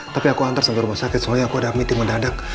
tapi aku antar sampai rumah sakit soalnya aku ada meeting mendadak